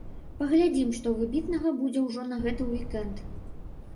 Паглядзім, што выбітнага будзе ўжо на гэты ўік-энд.